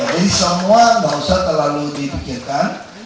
ya jadi semua tidak usah terlalu dipikirkan